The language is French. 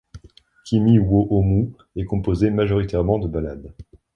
Kimi wo Omou est composé majoritairement de ballades.